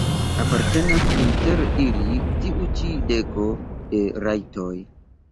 Apartenas inter ili tiu ĉi deko de rajtoj.